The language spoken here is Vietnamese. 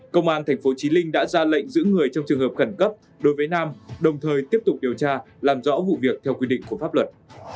công an tp chí linh đã ra lệnh giữ người trong trường hợp khẩn cấp đối với nam đồng thời tiếp tục điều tra làm rõ vụ việc theo quy định của pháp luật